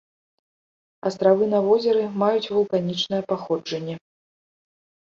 Астравы на возеры маюць вулканічнае паходжанне.